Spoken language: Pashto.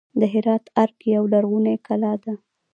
د هرات ارګ یوه لرغونې کلا ده